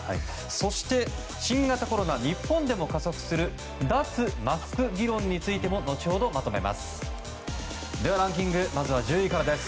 そして、新型コロナ日本でも加速する脱マスク議論についても後ほどまとめます。